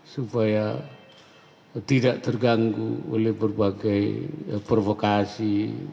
supaya tidak terganggu oleh berbagai provokasi